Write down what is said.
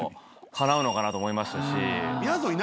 のかなと思いましたし。